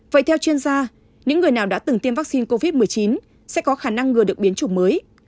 vậy theo chuyên gia những người nào đã từng tiêm vaccine covid một mươi chín sẽ có khả năng ngừa được biến chủng mới